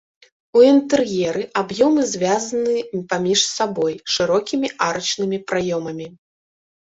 У інтэр'еры аб'ёмы звязана паміж сабой шырокімі арачнымі праёмамі.